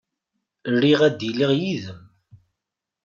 Riɣ ad iliɣ yid-m.